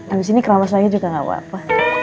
abis ini keramas lagi juga gak apa apa